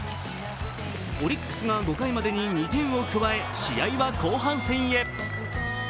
オリックスが５回までに２点を加え試合は後半戦へ。